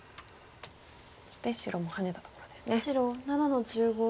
そして白もハネたところですね。